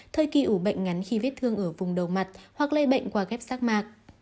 thời kỳ ủ bệnh ngắn khi vết thương ở vùng đầu mặt hoặc lây bệnh qua ghép rác mạc